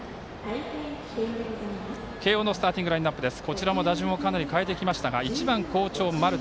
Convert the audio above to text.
慶応のスターティングラインアップです。